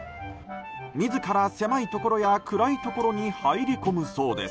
自ら狭いところや暗いところに入り込むそうです。